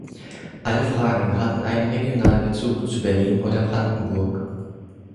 Alle Fragen hatten einen regionalen Bezug zu Berlin oder Brandenburg.